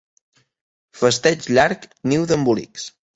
Festeig llarg, niu d'embolics.